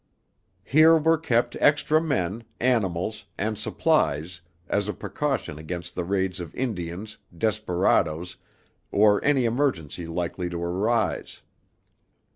Here were kept extra men, animals, and supplies as a precaution against the raids of Indians, desperadoes, or any emergency likely to arise.